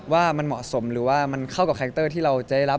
ว่ามันเหมาะสมหรือว่ามันเข้ากับแคคเตอร์ที่เราจะได้รับ